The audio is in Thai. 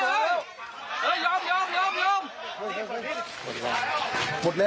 ไอ้น้องมึงเชื่อพี่มึงลงไปเลย